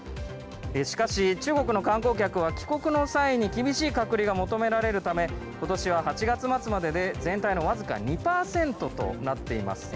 しかし中国の観光客は帰国の際に厳しい隔離が求められるため今年は８月末までで全体の僅か２％となっています。